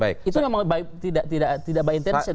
itu memang tidak by intension